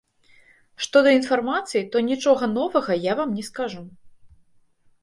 Што да інфармацыі, то нічога новага я вам не скажу.